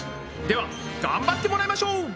では頑張ってもらいましょう！